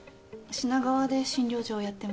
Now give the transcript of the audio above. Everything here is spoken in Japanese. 品川で診療所をやってます。